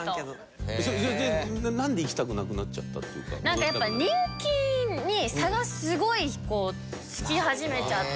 なんかやっぱ人気に差がすごいこうつき始めちゃって。